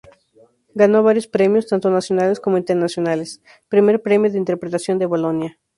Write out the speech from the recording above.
Ganó varios premios, tanto nacionales como internacionales: primer premio de interpretación de Bolonia.